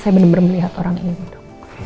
saya benar benar melihat orang ibu